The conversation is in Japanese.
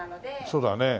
そうだよね。